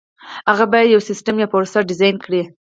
هغه باید یو سیسټم یا پروسه ډیزاین کړي.